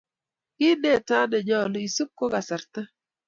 kiit netai nenyoluu isub ko kasarta